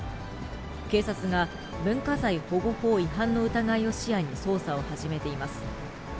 警察が文化財保護法違反の疑いを視野に捜査を始めています。